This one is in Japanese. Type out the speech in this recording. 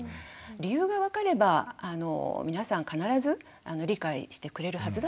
理由が分かれば皆さん必ず理解してくれるはずだと思います。